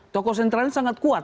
tokoh sentral ini sangat kuat